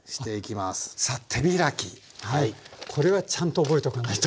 これはちゃんと覚えておかないと。